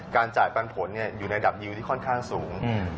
จ่ายปันผลอยู่ในระดับดิวที่ค่อนข้างสูง